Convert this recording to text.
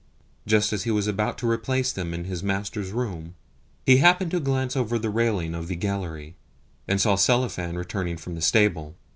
Just as he was about to replace them in his master's room he happened to glance over the railing of the gallery, and saw Selifan returning from the stable.